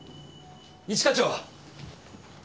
一課長！